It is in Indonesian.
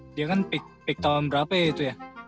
dia kan peak tahun berapa ya itu ya